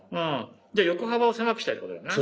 じゃあ横幅を狭くしたいってことだよな。